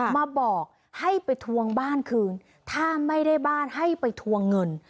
มาบอกให้ไปทวงบ้านคืนถ้าไม่ได้บ้านให้ไปทวงเงิน